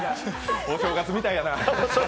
お正月みたいやな。